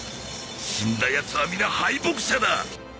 死んだやつは皆敗北者だ！